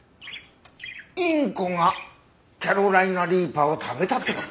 インコがキャロライナ・リーパーを食べたって事？